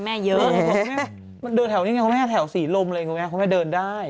แม่เยอะมันเดินแถวนี้ไงเขาไม่ได้แถวสีลมเลยเขาไงเขาไม่ได้เดินได้